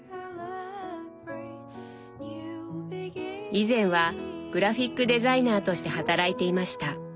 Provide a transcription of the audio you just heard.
以前はグラフィックデザイナーとして働いていました。